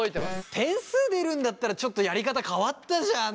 点数出るんだったらちょっとやり方変わったじゃん